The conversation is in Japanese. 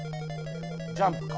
ジャンプか？